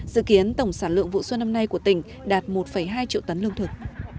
dự kiến tổng sản lượng vụ xuân năm nay của tỉnh đạt một hai triệu tấn lương thực